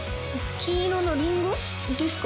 金色のリンゴですか？